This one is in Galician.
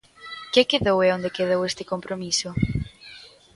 ¿Que quedou e onde quedou este compromiso?